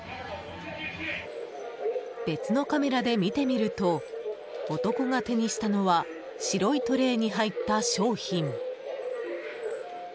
別のカメラで見てみると男が手にしたのは白いトレーに入った商品。